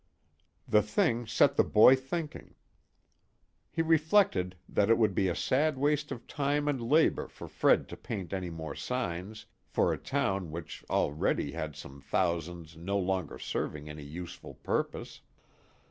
The thing set the boy thinking. He reflected that it would be a sad waste of time and labor for Fred to paint any more signs for a town which already had some thousands no longer serving any useful purpose.